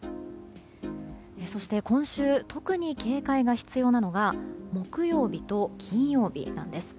そして、今週特に警戒が必要なのが木曜日と金曜日なんです。